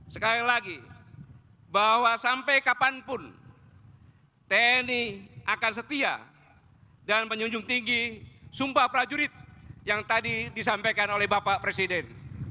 sekali lagi bahwa sampai kapanpun tni akan setia dan menjunjung tinggi sumpah prajurit yang tadi disampaikan oleh bapak presiden